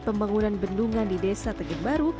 pembangunan bendungan di desa tegang baru